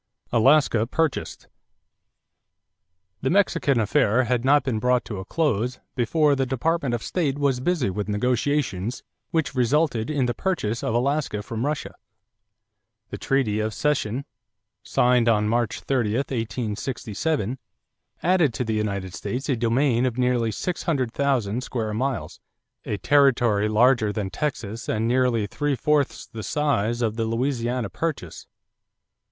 =Alaska Purchased.= The Mexican affair had not been brought to a close before the Department of State was busy with negotiations which resulted in the purchase of Alaska from Russia. The treaty of cession, signed on March 30, 1867, added to the United States a domain of nearly six hundred thousand square miles, a territory larger than Texas and nearly three fourths the size of the Louisiana purchase.